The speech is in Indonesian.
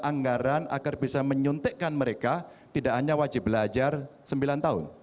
anggaran agar bisa menyuntikkan mereka tidak hanya wajib belajar sembilan tahun